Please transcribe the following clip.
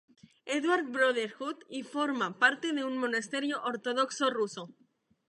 Edward Brotherhood, y forma parte de un Monasterio Ortodoxo Ruso.